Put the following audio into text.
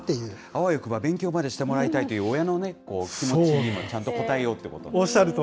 あわよくば勉強までしてもらいたいという親のね、気持ちにもちゃんと応えようってこと。